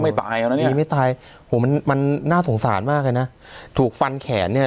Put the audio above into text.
ไม่ตายแล้วเนี่ยมันน่าสงสารมากเลยนะถูกฟันแขนเนี่ย